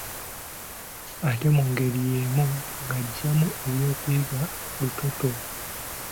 Ate mu ngeri yemu ng’aggyamu ebyokuyiga lutotto.